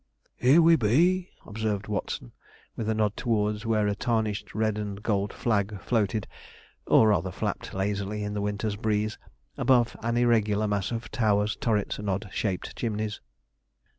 'Here we be,' observed Watson, with a nod towards where a tarnished red and gold flag, floated, or rather flapped lazily in the winter's breeze, above an irregular mass of towers, turrets, and odd shaped chimneys.